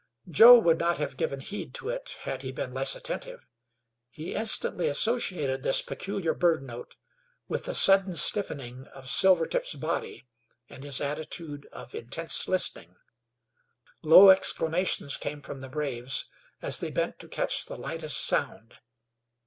Joe would not have given heed to it had he been less attentive. He instantly associated this peculiar bird note with the sudden stiffening of Silvertip's body and his attitude of intense listening. Low exclamations came from the braves as they bent to catch the lightest sound.